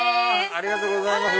ありがとうございます。